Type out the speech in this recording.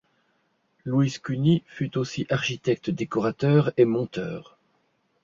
Louis Cuny fut aussi architecte-décorateur et monteur.